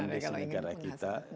kondisi lingkaran kita